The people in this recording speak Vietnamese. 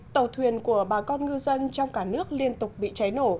tàu thuyền của bà con ngư dân trong cả nước liên tục bị cháy nổ